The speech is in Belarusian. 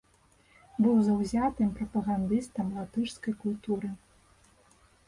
Быў заўзятым прапагандыстам латышскай культуры.